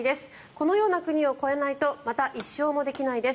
このような国を越えないとまた１勝もできないです。